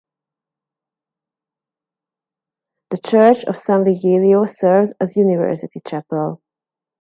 The church of San Vigilio serves as university chapel.